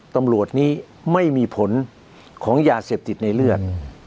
ตำรวจนี้ไม่มีผลของยาเสพติดในเลือด